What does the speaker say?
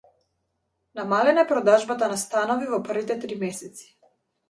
Намалена е продажбата на станови во првите три месеци